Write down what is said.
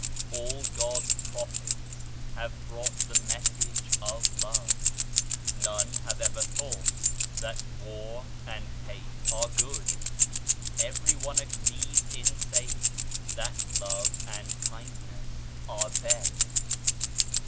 All God's prophets have brought the message of Love. None have ever thought that War and Hate are good. Every one agrees in saying that Love and Kindness are best.